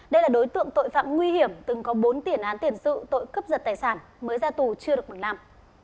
đây là đối tượng tội phạm nguy hiểm từng có bốn tiền án tiền sự tội cướp giật tài sản mới ra tù chưa được một năm